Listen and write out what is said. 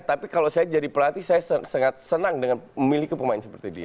tapi kalau saya jadi pelatih saya sangat senang dengan memiliki pemain seperti dia